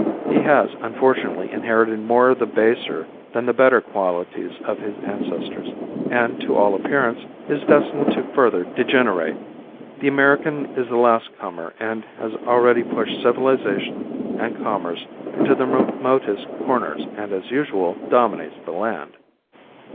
He has, unfortunately, inherited more of the baser than the better qualities of his ancestors, and, to all appearance, is destined to further degenerate. The American is the last comer and has already pushed civilization and commerce into the remotest corners and, as usual, dominates the land.